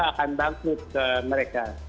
akan bangkrut mereka